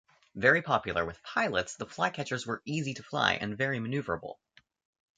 Very popular with pilots, the Flycatchers were easy to fly and very manoeuvrable.